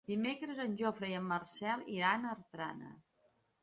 Dimecres en Jofre i en Marcel iran a Artana.